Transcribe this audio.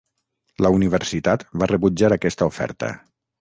La Universitat va rebutjar aquesta oferta.